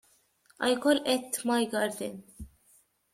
I call it my garden.